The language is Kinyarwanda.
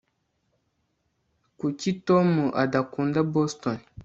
kuki tom adakunda boston